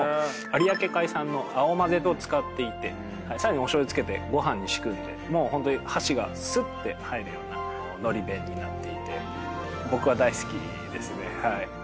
有明海産の青混ぜを使っていてお醤油付けてご飯に敷くんでホントに箸がスッて入るようなのり弁になっていて僕は大好きですね。